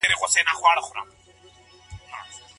ايا د طلاق واک بيله انابته هم انتقاليدلای سي؟